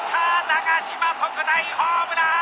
長嶋特大ホームラン！